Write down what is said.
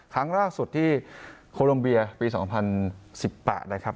ครั้งล่าสุดที่โคลมเบียปี๒๐๑๘นะครับ